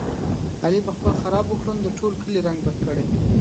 علي په خپلو خرابو کړنو د ټول کلي رنګه بده کړله.